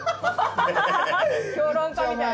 評論家みたい。